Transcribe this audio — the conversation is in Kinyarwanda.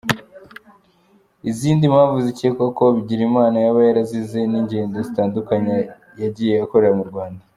Izindi mpamvu zikekwa ko Bigirimana yaba yarazize ni ingendo zitandukanye yagiye akorera mu Rwanda.